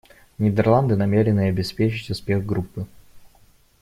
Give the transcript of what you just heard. Нидерланды намерены обеспечить успех группы.